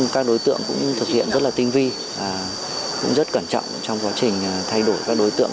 các đối tượng cũng thực hiện rất là tinh vi và cũng rất cẩn trọng trong quá trình thay đổi các đối tượng